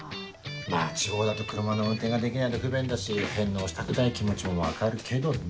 まぁ地方だと車の運転ができないと不便だし返納したくない気持ちも分かるけどね。